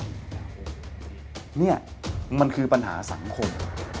เนี่ยมันคือปัญหาสังคม